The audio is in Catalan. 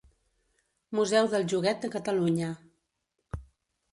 Museu del Joguet de Catalunya.